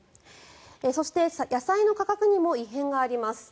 そして野菜の価格にも異変があります。